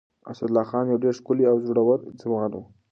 اسدالله خان يو ډېر ښکلی او زړور ځوان و.